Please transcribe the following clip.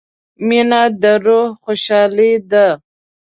• مینه د روح خوشحالي ده.